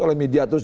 oleh media terus